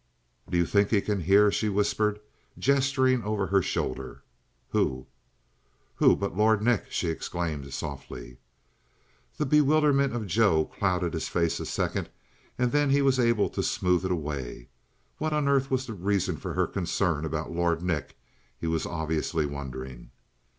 "Do you think he can hear?" she whispered, gesturing over her shoulder. "Who?" "Who but Lord Nick!" she exclaimed softly. The bewilderment of Joe clouded his face a second and then he was able to smooth it away. What on earth was the reason of her concern about Lord Nick he was obviously wondering.